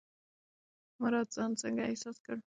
مراد ځان څنګه احساس کړ؟